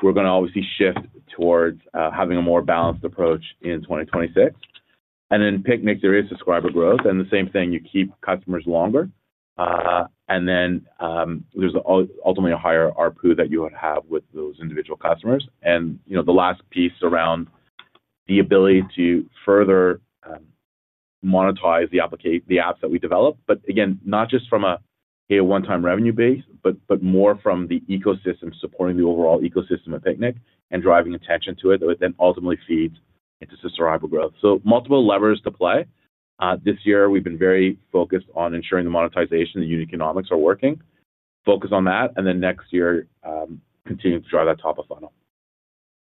We're obviously going to shift towards having a more balanced approach in 2026. In Piknik, there is subscriber growth and the same thing, you keep customers longer and then there is ultimately a higher ARPPU that you would have with those individual customers. The last piece is around the ability to further monetize the apps that we develop, not just from a one-time revenue base, but more from the ecosystem supporting the overall ecosystem of Picnic and driving attention to it that would then ultimately feed into subscriber growth. Multiple levers to play. This year we've been very focused on ensuring the monetization and unit economics are working. Focus on that and then next year continue to drive that top of funnel.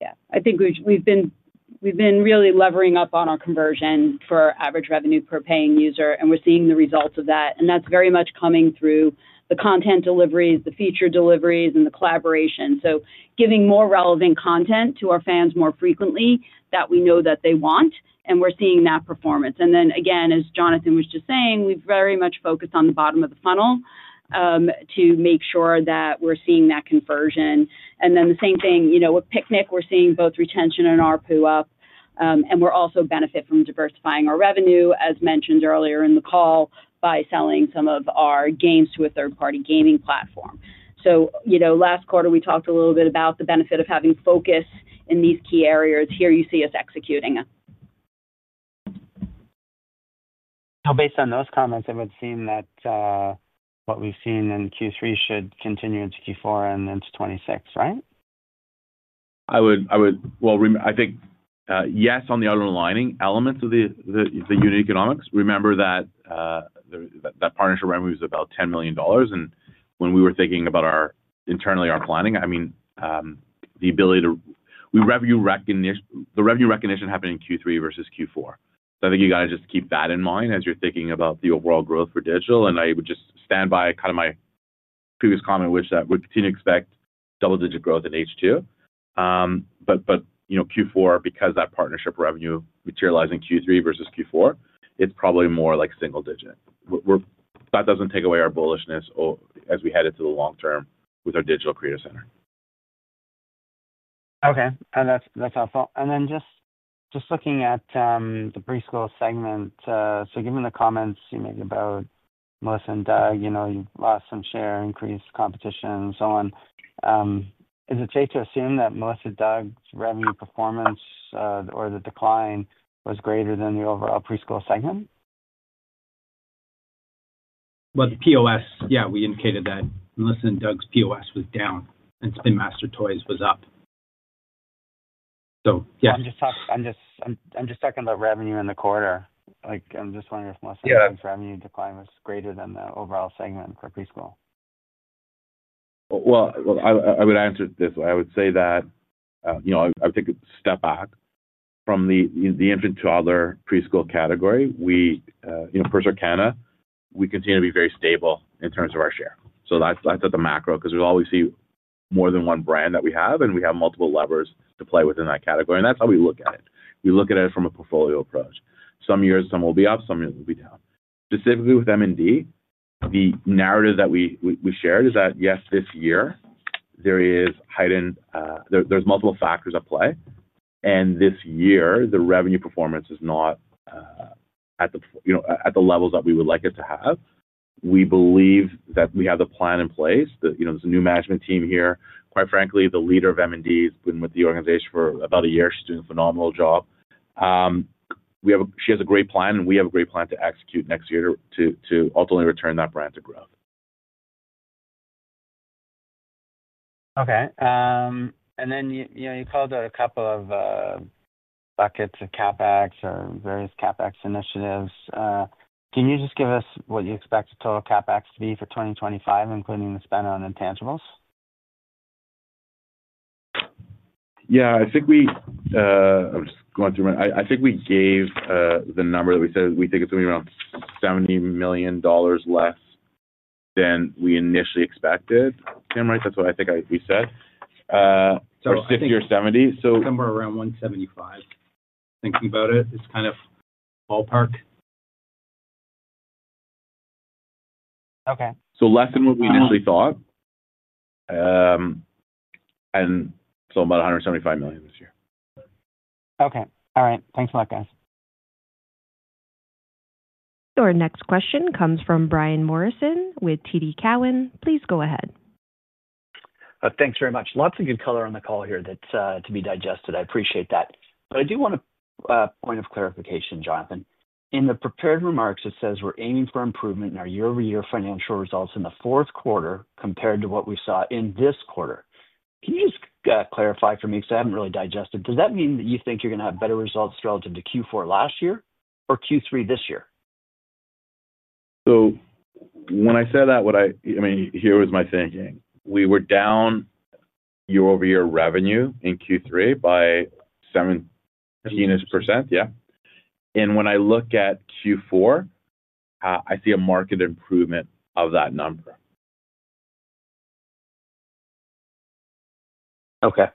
Yeah, I think we've been really levering up on our conversion for average revenue per paying user and we're seeing the results of that. That's very much coming through the content deliveries, the feature deliveries, and the collaboration. Giving more relevant content to our fans more frequently that we know that they want, we're seeing that performance. As Jonathan was just saying, we very much focused on the bottom of the funnel to make sure that we're seeing that conversion. The same thing, you know, with Piknik, we're seeing both retention and ARPPU up, and we're also benefiting from diversifying our revenue, as mentioned earlier in the call, by selling some of our games to a third-party gaming platform. Last quarter we talked a little bit about the benefit of having focus in these key areas. Here you see us executing. Based on those comments, it would seem that what we've seen in Q3 should continue into Q4 and into 2026. Right? I think yes, on the underlying elements of the unit economics, remember that partnership revenue is about $10 million. When we were thinking about our internal planning, the ability for the revenue recognition happened in Q3 versus Q4. I think you have to just keep that in mind as you're thinking about the overall growth for digital. I would just stand by my previous comment, which is that we would continue to expect double-digit growth in H2, but Q4, because that partnership revenue materialized in Q3 versus Q4, is probably more like single-digit. That doesn't take away our bullishness as we head into the long term with our digital creative center. Okay, that's helpful. Just looking at the preschool segment, given the comments you made about Melissa & Doug, you know, you lost some share, increased competition and so on, is it safe to assume that Melissa & Doug's revenue performance or the decline was greater than the overall preschool segment? The POS. Yeah, we indicated that Melissa & Doug's POS was down and Spin Master Toys was up. I'm just talking, I'm just. I'm just talking about revenue in the quarter. I'm just wondering if Melissa & Doug's revenue decline was greater than the overall segment for preschool. I would answer it this way. I would say that, you know, I would take a step back from the infant toddler preschool category. We, you know, per se, continue to be very stable in terms of our share. That's at the macro because we always see more than one brand that we have and we have multiple levers to play within that category. That's how we look at it. We look at it from a portfolio approach. Some years, some will be up, some years will be down. Specifically with M&D, the narrative that we shared is that yes, this year there is heightened, there's multiple factors at play and this year the revenue performance is not at the, you know, at the levels that we would like it to have. We believe that we have the plan in place that, you know, there's a new management team here. Quite frankly, the leader of M&D has been with the organization for about a year. She's doing a phenomenal job. We have, she has a great plan and we have a great plan to execute next year to ultimately return that brand to growth. Okay. You called out a couple of buckets of CapEx or various CapEx initiatives. Can you just give us what you expect the total CapEx to be for 2025, including the spend on intangibles? I think we gave the number that we said. We think it's going to be around $70 million less than we initially expected. Tim, right, that's what I think we said, or $60 or $70 million. Somewhere around $175, thinking about it, it's kind of ballpark. Okay. Is less than what we initially thought, about $175 million this year. Okay. All right. Thanks a lot, guys. Your next question comes from Brian Morrison with TD Cowen. Please go ahead. Thanks very much. Lots of good color on the call here. That's to be digested. I appreciate that. I do want a point of clarification, Jonathan. In the prepared remarks it says we're aiming for improvement in our year over year financial results in the fourth quarter compared to what we saw in this quarter. Can you just clarify for me because I haven't really digested. Does that mean that you think you're going to have better results relative to Q4 last year or Q3 this year? When I said that, what I mean here was my thinking. We were down year over year revenue in Q3 by 17%. When I look at Q4, I see a marked improvement of that number. Okay.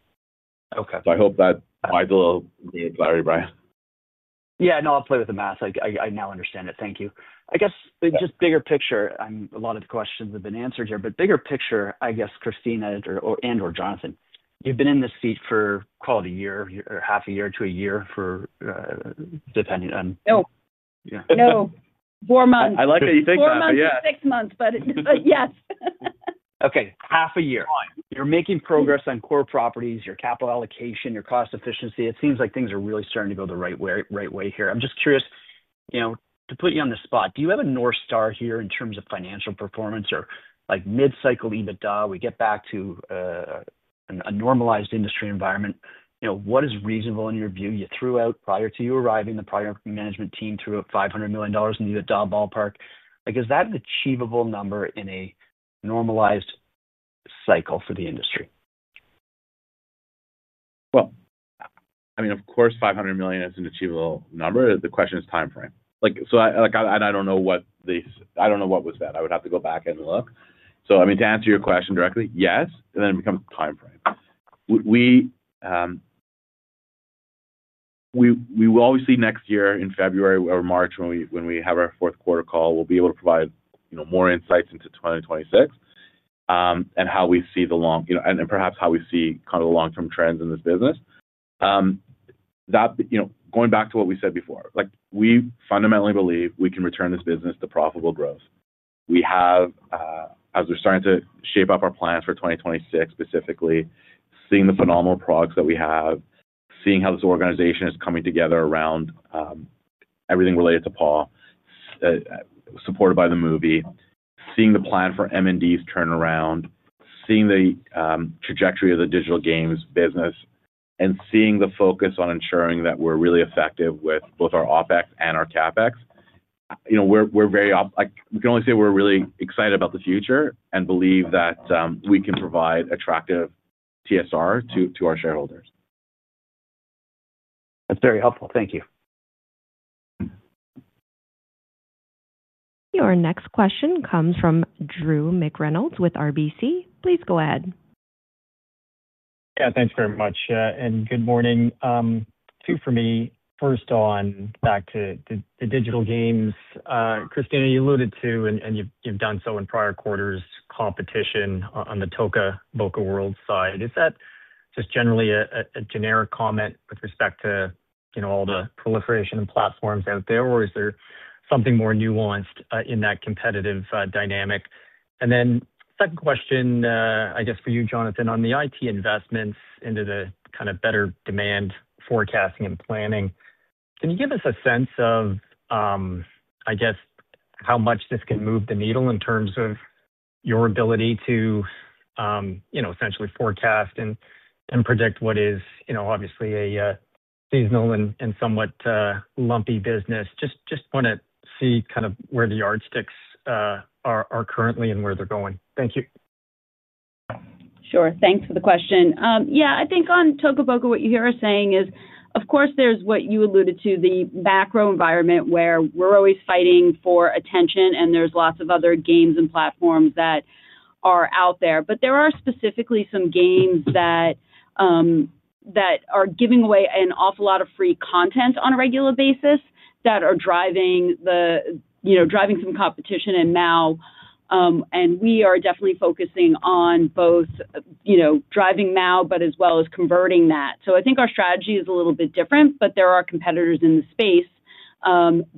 Okay. I hope that, Larry, Brian. I'll play with the math. I now understand it. Thank you. I guess just bigger picture. A lot of the questions have been answered here, but bigger picture I guess Christina and or Jonathan, you've been in this seat for quite a year or half a year to a year for depending on. No, four months. I like that you think four months, six months. Yes. Okay, half a year. You're making progress on core properties, your capital allocation, your cost efficiency. It seems like things are really starting to go the right way here. I'm just curious to put you on the spot. Do you have a North Star here in terms of financial performance or like mid cycle EBITDA? We get back to a normalized industry environment. What is reasonable in your view? You threw out prior to you arriving, the prior management team threw up $500 million in the ballpark. Is that the achievable number in a normalized cycle for the industry? Of course $500 million is an achievable number. The question is timeframe. I don't know what this, I don't know what was that. I would have to go back and look. To answer your question directly, yes. It then becomes timeframe. We will obviously next year in February or March when we have our fourth quarter call, we'll be able to provide more insights into 2026 and how we see the long, and perhaps how we see kind of the long term trends in this business. Going back to what we said before, we fundamentally believe we can return this business to profitable growth. As we're starting to shape up our plans for 2026, specifically seeing the phenomenal products that we have, seeing how this organization is coming together around everything related to PAW, supported by the movie, seeing the plan for M&D's turnaround, seeing the trajectory of the digital games business, and seeing the focus on ensuring that we're really effective with both our OpEx and our CapEx, we can only say we're really excited about the future and believe that we can provide attractive TSR to our shareholders. That's very helpful. Thank you. Your next question comes from Drew McReynolds with RBC. Please go ahead. Yeah, thanks very much and good morning. Two for me. First on back to the digital games, Christina, you alluded to, and you've done so in prior quarters, competition on the Toca Boca world side. Is that just generally a generic comment with respect to, you know, all the proliferation platforms out there, or is there something more nuanced in that competitive dynamic? Second question, I guess for you, Jonathan, on the IT investments into the kind of better demand forecasting and planning, can you give us a sense of, I guess, how much this can move the needle in terms of your ability to, you know, essentially forecast and predict what is, you know, obviously a seasonal and somewhat lumpy business. Just want to see kind of where the yardsticks are currently and where they're going. Thank you. Sure. Thanks for the question. I think on Toca Boca, what you hear us saying is, of course there's what you alluded to, the macro environment where we're always fighting for attention and there's lots of other games and platforms that are out there. There are specifically some games that are giving away an awful lot of free content on a regular basis that are driving some competition in MAU, and we are definitely focusing on both driving MAU, as well as converting that. I think our strategy is a little bit different, but there are competitors in the space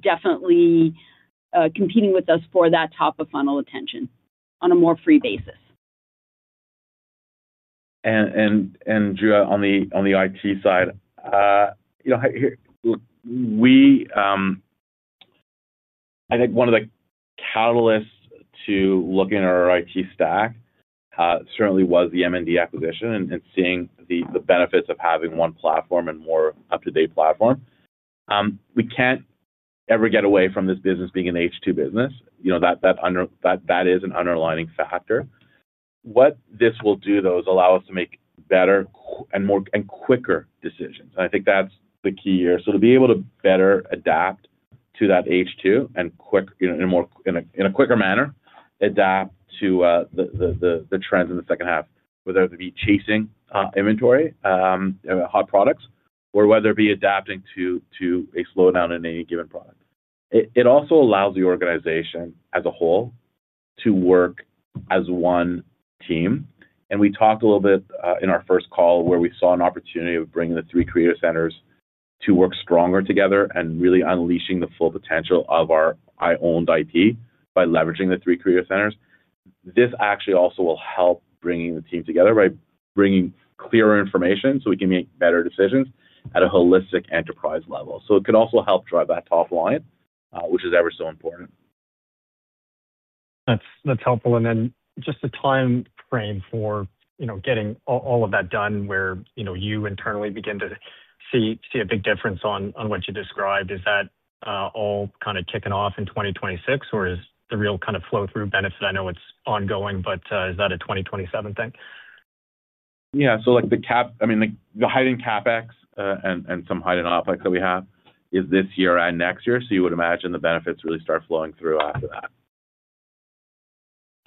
definitely competing with us for that top of funnel attention on a more free basis. Drew on the IT side, I think one of the catalysts to looking at our IT stack certainly was the M&D acquisition and seeing the benefits of having one platform and a more up-to-date platform. We can't ever get away from this business being an H2 business. You know that is an underlying factor. What this will do, though, is allow us to make better and quicker decisions. I think that's the key here, to be able to better adapt to that H2 and quicken in a more, in a quicker manner. Adapt to the trends in the second half, whether it be chasing inventory, hot products, or whether it be adapting to a slowdown in any given product. It also allows the organization as a whole to work as one team. We talked a little bit in our first call where we saw an opportunity of bringing the three creative centers to work stronger together and really unleashing the full potential of our owned IP by leveraging the three creative centers. This actually also will help bring the team together by bringing clearer information so we can make better decisions at a holistic enterprise level. It can also help drive that top line, which is ever so important. That's helpful. Just the time frame for getting all of that done where you internally begin to see a big difference on what you described, is that all kind of kicking off in 2026 or is the real kind of flow through benefits? I know it's ongoing, but is that a 2027 thing? Yeah. The CapEx and some heightened OpEx that we have is this year and next year. You would imagine the benefits really start flowing through after that.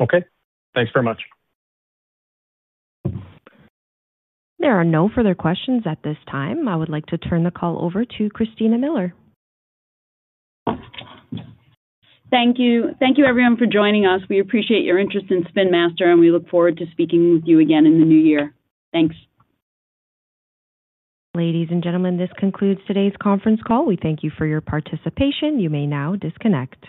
Okay, thanks very much. There are no further questions at this time. I would like to turn the call over to Christina Miller. Thank you. Thank you everyone for joining us. We appreciate your interest in Spin Master, and we look forward to speaking with you again in the new year. Thanks. Ladies and gentlemen, this concludes today's conference call. We thank you for your participation. You may now disconnect.